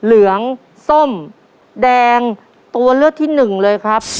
เหลืองส้มแดงตัวเลือกที่หนึ่งเลยครับ